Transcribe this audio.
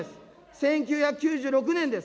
１９９６年です。